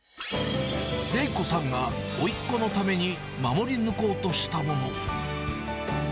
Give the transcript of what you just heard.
玲子さんがおいっ子のために守り抜こうとしたもの。